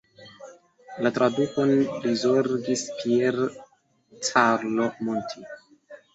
La tradukon prizorgis Pier Carlo Monti.